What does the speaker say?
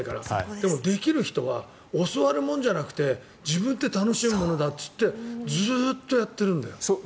でも、できる人は教わるもんじゃなくて自分で楽しむものだよってずっとやってるんだよ。